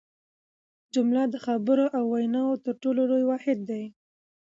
جمله د خبرو او ویناوو تر ټولو لوی واحد دئ.